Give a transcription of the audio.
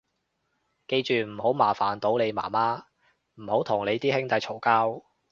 記住唔好麻煩到你媽媽，唔好同你啲兄弟嘈交